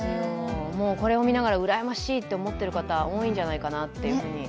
もうこれを見ながらうらやましいって思っている方多いんじゃないかなと。